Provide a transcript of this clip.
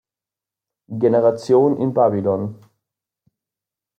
Generation in Babylon.